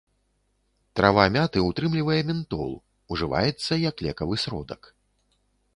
Трава мяты ўтрымлівае ментол, ужываецца як лекавы сродак.